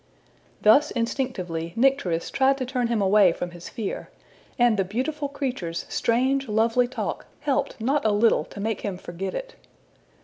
Thus instinctively Nycteris tried to turn him away from his fear; and the beautiful creature's strange lovely talk helped not a little to make him forget it.